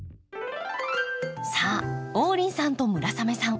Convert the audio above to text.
さあ王林さんと村雨さん